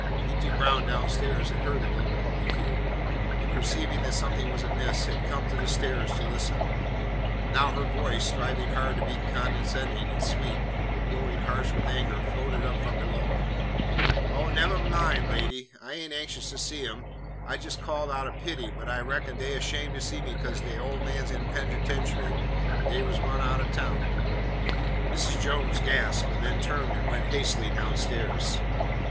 Minty Brown downstairs had heard the little colloquy, and, perceiving that something was amiss, had come to the stairs to listen. Now her voice, striving hard to be condescending and sweet, but growing harsh with anger, floated up from below: "Oh, nevah min', lady, I ain't anxious to see 'em. I jest called out o' pity, but I reckon dey 'shamed to see me 'cause de ol' man 's in penitentiary an' dey was run out o' town." Mrs. Jones gasped, and then turned and went hastily downstairs.